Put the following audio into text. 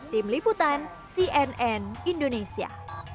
tim liputan cnn indonesia